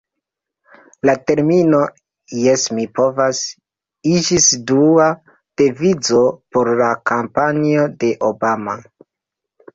La termino "Jes ni povas" iĝis dua devizo por la kampanjo de Obama.